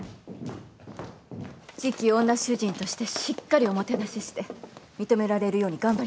次期女主人としてしっかりおもてなしして認められるように頑張りなさい。